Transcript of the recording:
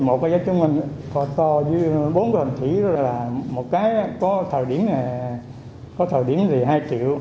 thế một cái giá chúng mình to to với bốn cái thần thủy là một cái có thờ điểm là hai triệu